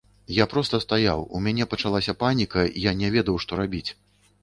Я проста стаяў, у мяне пачалася паніка, я не ведаў, што рабіць.